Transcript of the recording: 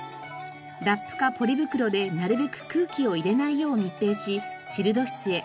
ラップかポリ袋でなるべく空気を入れないよう密閉しチルド室へ。